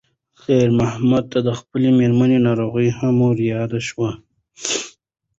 خیر محمد ته د خپلې مېرمنې ناروغي هم ور یاده شوه.